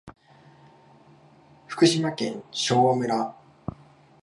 福島県昭和村